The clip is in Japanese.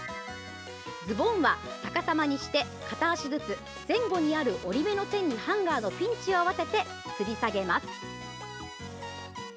ズボンは逆さまにして片足ずつ前後にある折り目の線にハンガーのピンチを合わせてつり下げます。